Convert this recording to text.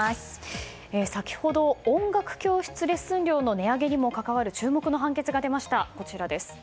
先ほど、音楽教室レッスン料の値上げにも関わる注目の判決が出ました。